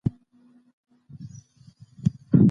او د خپل تیر وخت کیسې کوي.